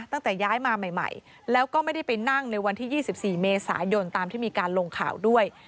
ตั้งแต่ย้ายมาใหม่แล้วก็ไม่ได้ไปนั่งในวันที่๒๔เมษายนตามที่มีการลงข่าวด้วย